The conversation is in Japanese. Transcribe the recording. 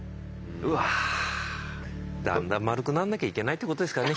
うわだんだんまるくなんなきゃいけないってことですかね